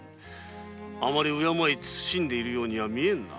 あまり敬い慎んでいるようにはみえんな。